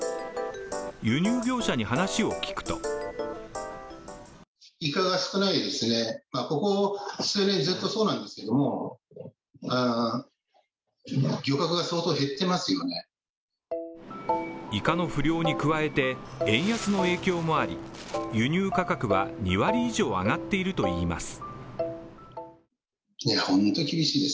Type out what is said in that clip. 輸入業者に話を聞くとイカの不漁に加えて、円安の影響もあり輸入価格は２割以上上がっているといいます。